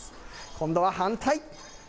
今度は反対。